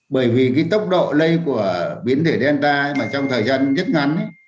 bởi vì cái tốc độ lây của biến thể delta trong thời gian rất ngắn